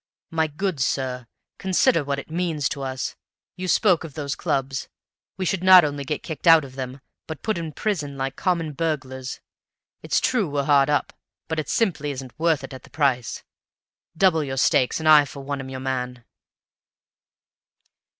"My good sir, consider what it means to us. You spoke of those clubs; we should not only get kicked out of them, but put in prison like common burglars! It's true we're hard up, but it simply isn't worth it at the price. Double your stakes, and I for one am your man."